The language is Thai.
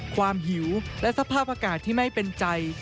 หิวและสภาพอากาศที่ไม่เป็นใจ